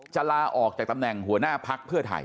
ลาออกจากตำแหน่งหัวหน้าพักเพื่อไทย